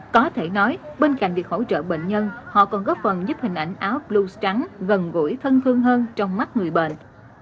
có thể nói bên cạnh việc hỗ trợ bệnh nhân họ còn góp phần giúp hình ảnh áo blue trắng gần gũi thân thương hơn trong mắt người bệnh